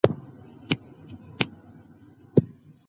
هغه د قانون د حاکمیت ملاتړ کوي.